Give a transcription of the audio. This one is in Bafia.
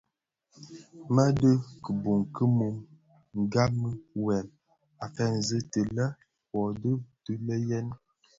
MË ndhi kibuň ki mum ndhami wuèl a feegsi ti lè: wuodhi dii le yèn.